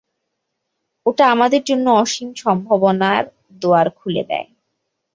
ওটা আমাদের জন্য অসীম সম্ভাবনার দুয়ার খুলে দেয়।